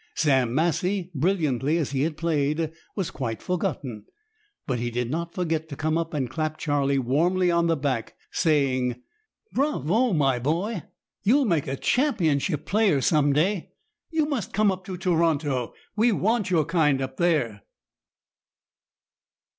Sam Massie, brilliantly as he had played, was quite forgotten. But he did not forget to come up and clap Charlie warmly on the back, saying,— "Bravo, my boy! You'll make a championship player some day. You must come up to Toronto. We want your kind up there."